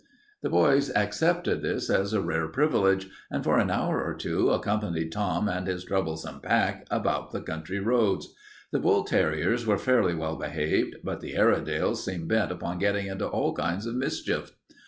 The boys accepted this as a rare privilege, and for an hour or two accompanied Tom and his troublesome pack about the country roads. The bull terriers were fairly well behaved, but the Airedales seemed bent upon getting into all kinds of mischief.